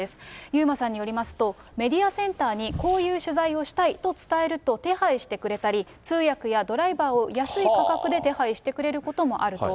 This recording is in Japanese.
遊馬さんによりますと、メディアセンターにこういう取材をしたいと伝えると手配してくれたり、通訳やドライバーを安い価格で手配してくれることもあると。